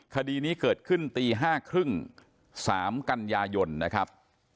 คดีนี้เกิดขึ้นตี๕๓๐๓กันยายนนะครับ